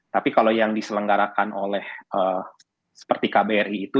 tapi kalau yang diselenggarakan oleh seperti kbri itu